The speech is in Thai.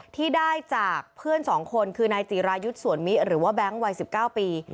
ที่ได้จากเพื่อน๒คนคือนายจิรายุทธ์สวนมิหรือว่าแบงค์วัย๑๙ปี